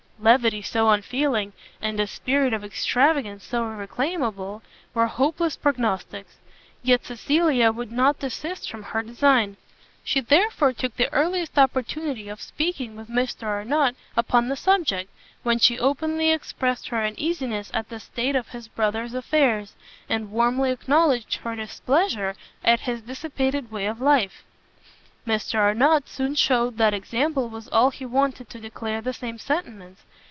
Levity so unfeeling, and a spirit of extravagance so irreclaimable, were hopeless prognostics; yet Cecilia would not desist from her design. She therefore took the earliest opportunity of speaking with Mr Arnott upon the subject, when she openly expressed her uneasiness at the state of his brother's affairs, and warmly acknowledged her displeasure at his dissipated way of life. Mr Arnott soon shewed that example was all he wanted to declare the same sentiments.